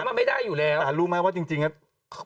เบอร์๓มันไม่ได้อยู่แล้วแต่รู้ไหมว่าจริงน่ะ